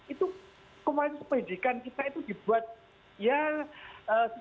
itu kemungkinan pendidikan kita itu dibuat ya secara relatif